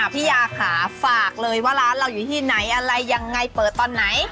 พี่ยาค่ะฝากเลยว่าร้านเราอยู่ที่ไหนอะไรยังไงเปิดตอนไหน